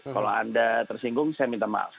kalau anda tersinggung saya minta maaf